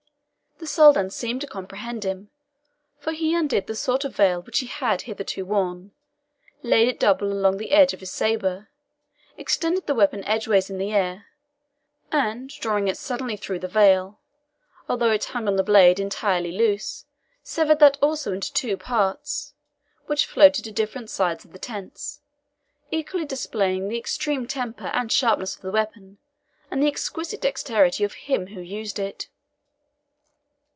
The Soldan seemed to comprehend him, for he undid the sort of veil which he had hitherto worn, laid it double along the edge of his sabre, extended the weapon edgeways in the air, and drawing it suddenly through the veil, although it hung on the blade entirely loose, severed that also into two parts, which floated to different sides of the tent, equally displaying the extreme temper and sharpness of the weapon, and the exquisite dexterity of him who used it.